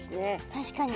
確かに。